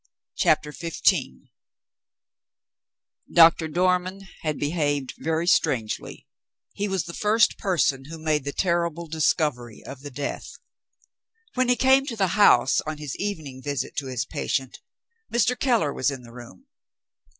CHAPTER XV Doctor Dormann had behaved very strangely. He was the first person who made the terrible discovery of the death. When he came to the house, on his evening visit to his patient, Mr. Keller was in the room.